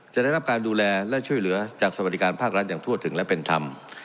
จะได้รับการดูแลและช่วยเหลือจากสวัสดิการภาครัฐอย่างทั่วถึงและเป็นธรรม